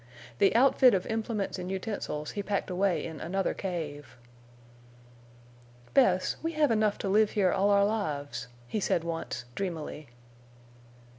The outfit of implements and utensils he packed away in another cave. "Bess, we have enough to live here all our lives," he said once, dreamily.